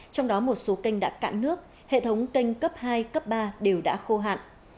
trong đó một số kênh đã cạn nước hệ thống kênh cấp hai cấp ba đều đã khô hạn